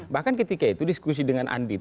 bahkan ketika itu diskusi dengan andi itu